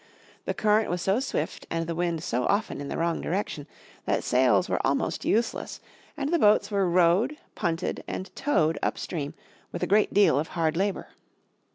The current was so swift and the wind so often in the wrong direction that sails were almost useless, and the boats were rowed, punted and towed upstream with a great deal of hard labour.